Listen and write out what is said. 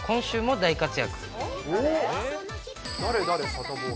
サタボー。